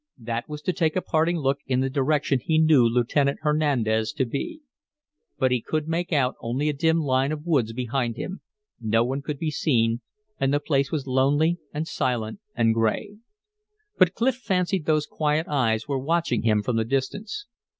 That was to take a parting look in the direction he knew Lieutenant Hernandez to be. But he could make out only a dim line of woods behind him. No one could be seen, and the place was lonely and silent and gray. But Clif fancied those quiet eyes were watching him from the distance.